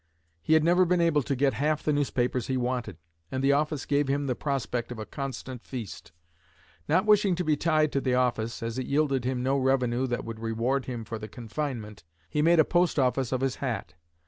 He had never been able to get half the newspapers he wanted, and the office gave him the prospect of a constant feast. Not wishing to be tied to the office, as it yielded him no revenue that would reward him for the confinement, he made a post office of his hat.